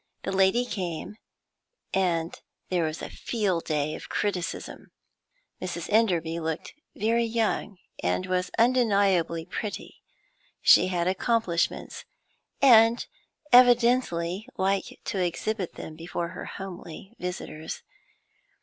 The lady came, and there was a field day of criticism. Mrs. Enderby looked very young, and was undeniably pretty; she had accomplishments, and evidently liked to exhibit them before her homely visitors.